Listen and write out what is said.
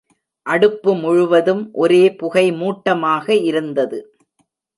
அடுப்பு முழுவதும் ஒரே புகைமூட்டமாக இருந்தது.